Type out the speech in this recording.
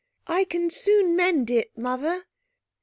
I can soon mend it, Mother.'